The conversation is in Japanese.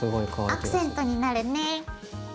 アクセントになるね。